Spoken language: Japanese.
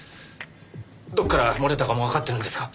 どこから漏れたかもわかっているんですか？